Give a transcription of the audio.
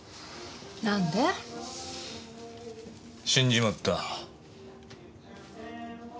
死んじまった。